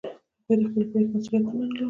هغوی د خپلې پرېکړې مسوولیت نه منلو.